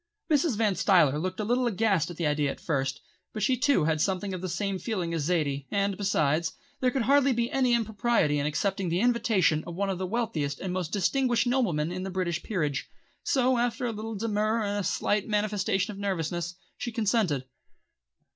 Mrs. Van Stuyler looked a little aghast at the idea at first, but she too had something of the same feeling as Zaidie, and besides, there could hardly be any impropriety in accepting the invitation of one of the wealthiest and most distinguished noblemen in the British Peerage. So, after a little demur and a slight manifestation of nervousness, she consented.